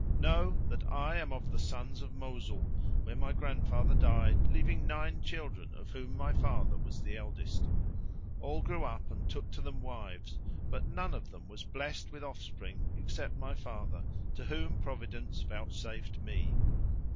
Know that I am of the sons of Mosul, where my grandfather died leaving nine children of whom my father was the eldest. All grew up and took to them wives, but none of them was blessed with offspring except my father, to whom Providence vouchsafed me.